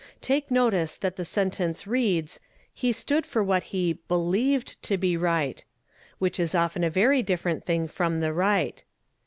Take notice that the sentence reads :" he stood for what he believed to be right," which is often a very different thing from the right.